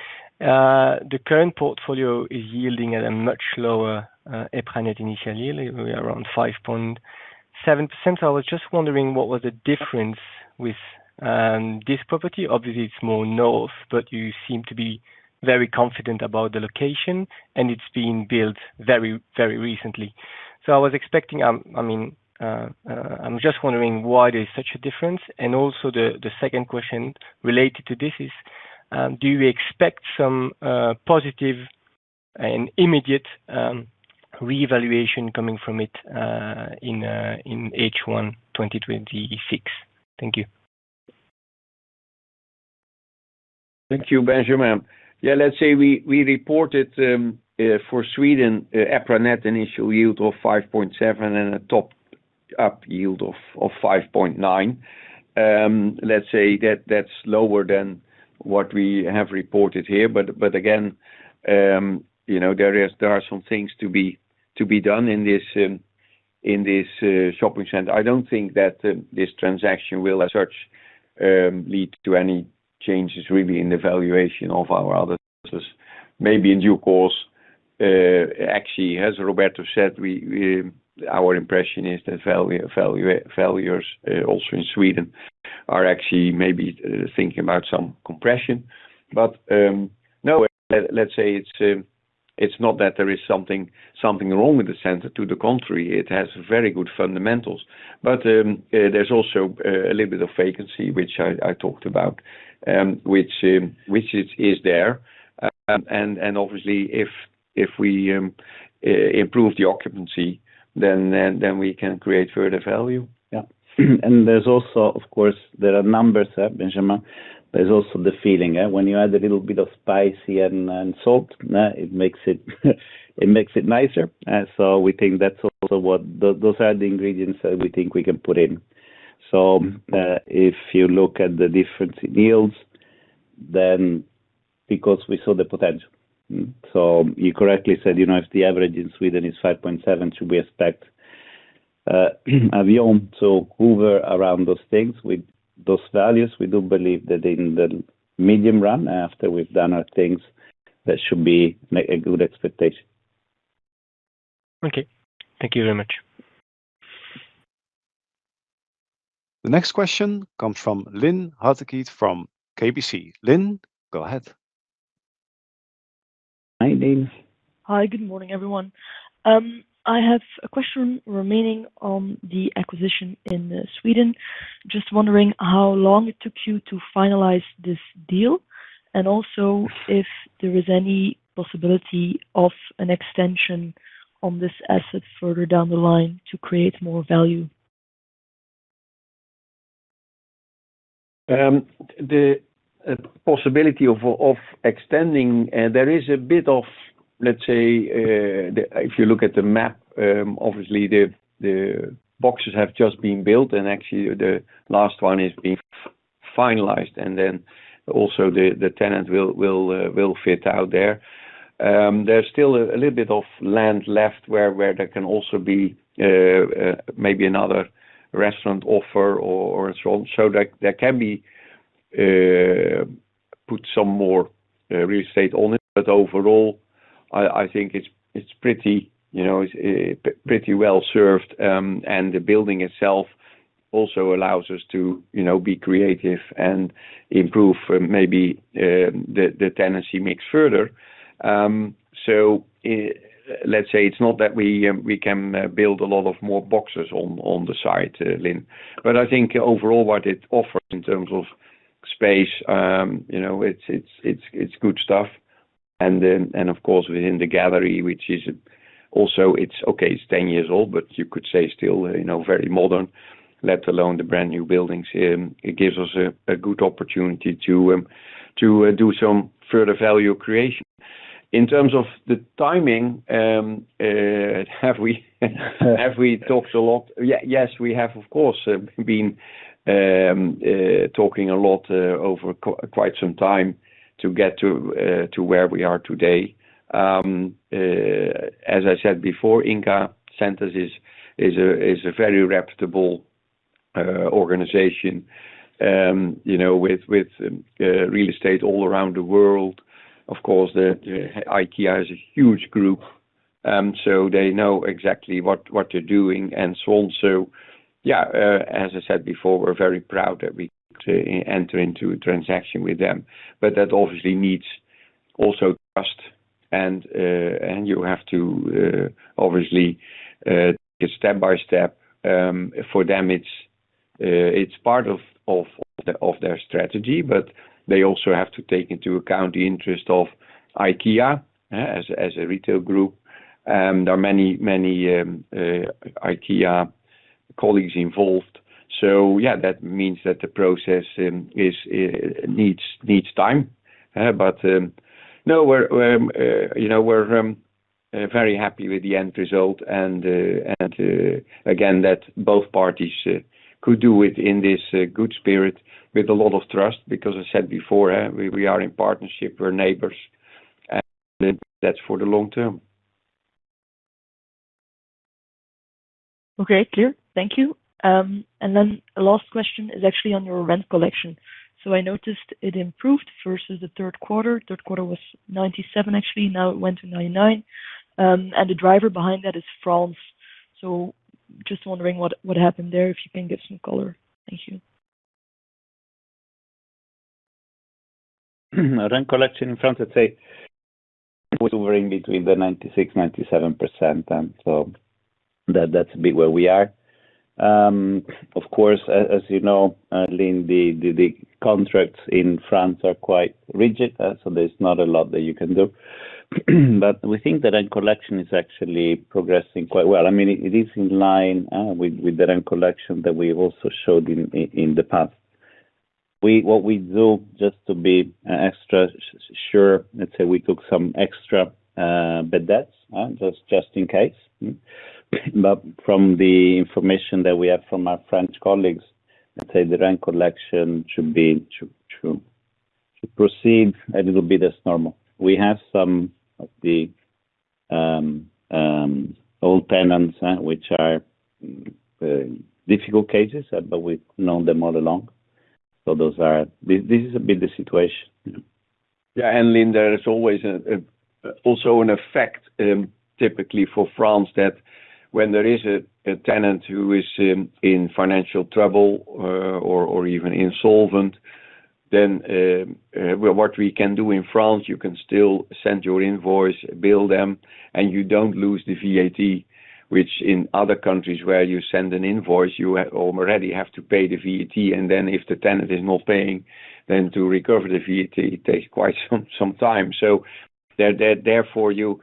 S9: The current portfolio is yielding at a much lower EPRA net initial yield, around 5.7%. I was just wondering what was the difference with this property. Obviously, it's more north, but you seem to be very confident about the location and it's been built very, very recently. I was expecting, I mean, I'm just wondering why there's such a difference. Also the second question related to this is, do you expect some positive and immediate revaluation coming from it in H1 2026? Thank you.
S2: Thank you, Benjamin. Let's say we reported for Sweden EPRA net initial yield of 5.7% and a top-up yield of 5.9%. Let's say that that's lower than what we have reported here. Again, you know, there are some things to be done in this shopping center. I don't think that this transaction will as such lead to any changes really in the valuation of our other centers. Maybe in due course, actually, as Roberto said, our impression is that value, values also in Sweden are actually maybe thinking about some compression. No, let's say it's not that there is something wrong with the center. To the contrary, it has very good fundamentals. There's also a little bit of vacancy, which I talked about, which is there. Obviously, if we improve the occupancy, then we can create further value.
S3: Yeah. There's also, of course, there are numbers, Benjamin. There's also the feeling, when you add a little bit of spice and salt, it makes it nicer. We think that's also what. Those are the ingredients that we think we can put in. If you look at the different yields, then because we saw the potential. You correctly said, you know, if the average in Sweden is 5.7%, should we expect we own to hover around those things with those values. We do believe that in the medium run, after we've done our things, that should make a good expectation.
S9: Okay. Thank you very much.
S4: The next question comes from Lynn Hautekeete from KBC. Lynn, go ahead.
S2: Hi, Lynn.
S10: Hi. Good morning, everyone. I have a question remaining on the acquisition in Sweden. Just wondering how long it took you to finalize this deal, and also, if there is any possibility of an extension on this asset further down the line to create more value.
S2: The possibility of extending, there is a bit of, let's say, if you look at the map, obviously the boxes have just been built and actually the last one is being finalized, and then also the tenant will fit out there. There's still a little bit of land left where there can also be maybe another restaurant offer or so on. There can be put some more real estate on it. Overall, I think it's pretty, you know, it's pretty well served. The building itself also allows us to, you know, be creative and improve maybe the tenancy mix further. Let's say it's not that we can build a lot of more boxes on the site, Lynn. I think overall, what it offers in terms of space, you know, it's good stuff. Of course, within the gallery, which is also 10 years old, but you could say still, you know, very modern, let alone the brand-new buildings. It gives us a good opportunity to do some further value creation. In terms of the timing, have we talked a lot? Yes, we have, of course, been talking a lot over quite some time to get to where we are today. As I said before, Ingka Centres is a very reputable organization, you know, with real estate all around the world. Of course, the IKEA is a huge group. They know exactly what they're doing and so on. As I said before, we're very proud that we could enter into a transaction with them. That obviously needs also trust. You have to obviously take it step by step. For them, it's part of their strategy, but they also have to take into account the interest of IKEA as a retail group. There are many IKEA colleagues involved. That means that the process needs time. No, we're, you know, we're very happy with the end result and, again, that both parties could do it in this good spirit with a lot of trust. Because I said before, we are in partnership, we're neighbors, and that's for the long term.
S10: Okay. Clear. Thank you. Last question is actually on your rent collection. I noticed it improved versus the third quarter. Third quarter was 97%, actually. Now it went to 99%. The driver behind that is France. Just wondering what happened there, if you can give some color? Thank you.
S3: Rent collection in France, let's say, was hovering between the 96%-97%. That's a bit where we are. Of course, as you know, Lynn, the contracts in France are quite rigid, so there's not a lot that you can do. We think the rent collection is actually progressing quite well. I mean, it is in line with the rent collection that we also showed in the past. What we do just to be extra sure, let's say we took some extra bad debts just in case. From the information that we have from our French colleagues, let's say the rent collection should be to proceed a little bit as normal. We have some of the old tenants, which are difficult cases, but we've known them all along. Those are—this is a bit the situation.
S2: Yeah. Lynn, there is always also an effect, typically for France, that when there is a tenant who is in financial trouble, or even insolvent, then what we can do in France, you can still send your invoice, bill them, and you don't lose the VAT, which in other countries where you send an invoice, you already have to pay the VAT. If the tenant is not paying, then to recover the VAT, it takes quite some time. Therefore, the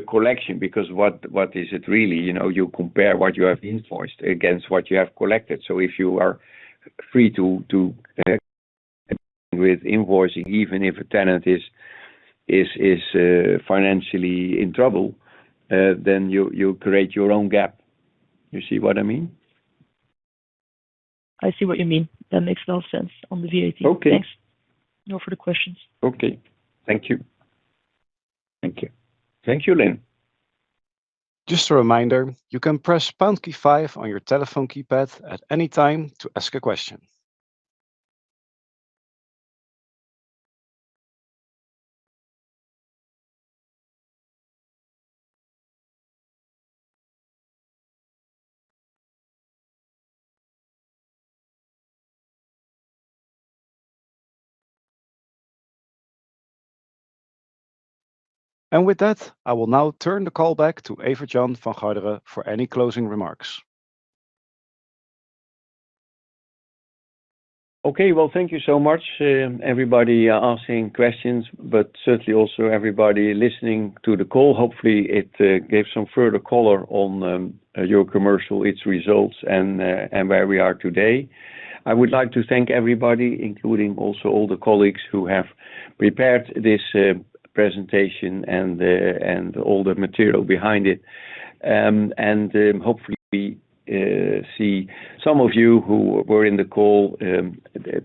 S2: collection because what is it really? You know, you compare what you have invoiced against what you have collected. If you are free to with invoicing, even if a tenant is financially in trouble, then you create your own gap. You see what I mean?
S10: I see what you mean. That makes a lot of sense on the VAT.
S2: Okay.
S10: Thanks. No further questions.
S2: Okay. Thank you.
S3: Thank you.
S2: Thank you, Lynn.
S4: Just a reminder, you can press pound key five on your telephone keypad at any time to ask a question. With that, I will now turn the call back to Evert Jan van Garderen for any closing remarks.
S2: Okay. Well, thank you so much, everybody asking questions, but certainly also everybody listening to the call. Hopefully, it gave some further color on Eurocommercial, its results, and where we are today. I would like to thank everybody, including also all the colleagues who have prepared this presentation and all the material behind it. Hopefully, we see some of you who were in the call,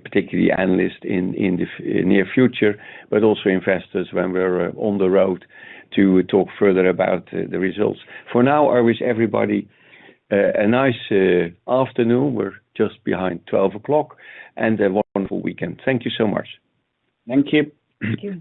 S2: particularly analysts in the near future, but also investors when we're on the road to talk further about the results. For now, I wish everybody a nice afternoon. We're just behind 12 o'clock and a wonderful weekend. Thank you so much.
S3: Thank you.